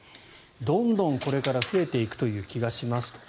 どんどんこれから増えていくという気がしますと。